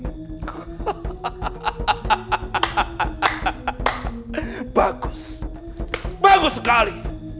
hahaha bagus bagus sekali